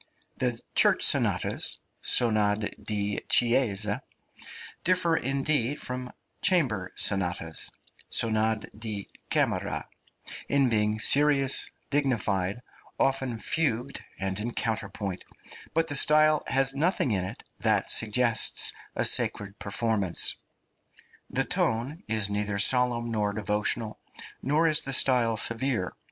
The church sonatas (sonad di chiesa) differ, indeed, from chamber sonatas (sonad di camera) in being serious, dignified, often fugued and in counterpoint, but the style has nothing in it that suggests a sacred performance. The tone is neither solemn nor devotional, nor is the style severe.